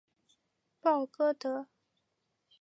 鲍戈德。